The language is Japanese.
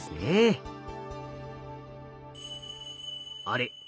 あれ？